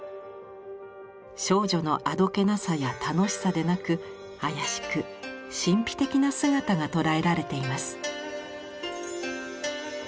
少女のあどけなさや楽しさでなく妖しく神秘的な姿が捉えられています。